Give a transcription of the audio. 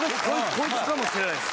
こいつかもしれないです。